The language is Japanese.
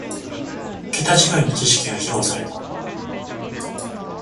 ケタ違いの知識が披露された